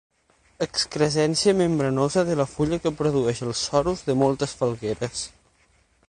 Excrescència membranosa de la fulla que protegeix els sorus de moltes falgueres.